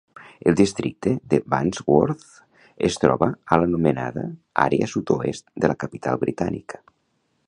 El districte de Wandsworth es troba a l'anomenada àrea Sud-oest de la capital britànica.